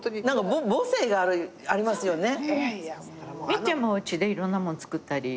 ミッちゃんもおうちでいろんなもん作ったり。